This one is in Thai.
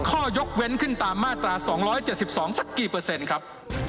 ข้อยกเว้นขึ้นตามมาตรา๒๗๒สักกี่เปอร์เซ็นต์ครับ